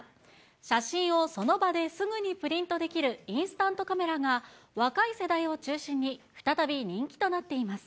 写真をその場ですぐにプリントできるインスタントカメラが、若い世代を中心に、再び人気となっています。